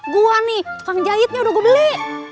gue nih tepung jahitnya udah gue beli